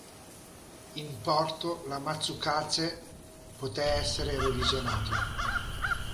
In porto l"Amatsukaze" poté essere revisionato.